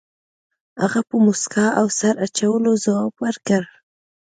هغه په موسکا او سر اچولو ځواب ورکړ.